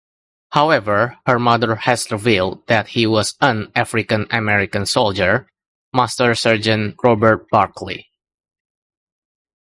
However, her mother has revealed that he was an African-American soldier, Master-Sergeant Robert Barkley.